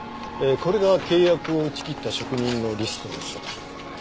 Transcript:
これが契約を打ち切った職人のリストです。